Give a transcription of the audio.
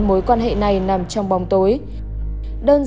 rồi chúng mình vào khách sạn nói chuyện